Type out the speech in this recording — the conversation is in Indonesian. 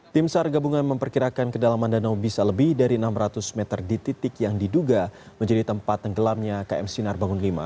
tim sar gabungan memperkirakan kedalaman danau bisa lebih dari enam ratus meter di titik yang diduga menjadi tempat tenggelamnya km sinar bangun v